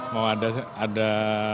mau ada suatu